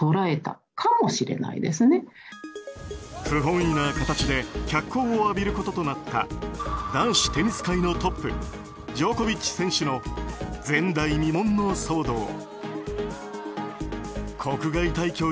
不本意な形で脚光を浴びることとなった男子テニス界のトップジョコビッチ選手の前代未聞の騒動。